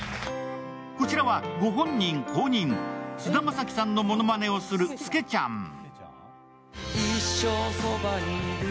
こちらはご本人公認、菅田将暉さんのものまねをするスケちゃん。